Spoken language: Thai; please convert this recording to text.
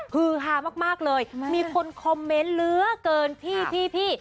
ฮือฮามากเลยมีคนคอมเมนต์เหลือเกินพี่